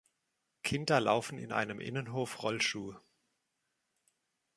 Kinder laufen in einem Innenhof Rollschuh.